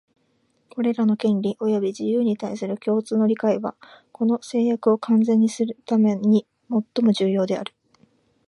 これらの権利及び自由に対する共通の理解は、この誓約を完全にするためにもっとも重要である